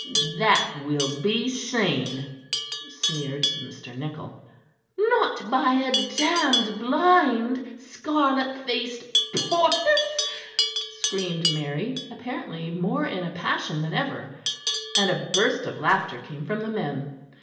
"That will be seen," sneered Mr. Nichol. "Not by a damned blind scarlet faced porpoise!" screamed Mary, apparently more in a passion than ever, and a burst of laughter came from the men.